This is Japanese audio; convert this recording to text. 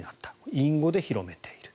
隠語で広めている。